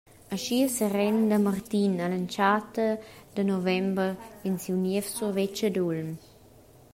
Aschia serenda Martin all’ entschatta de november en siu niev survetsch ad Ulm.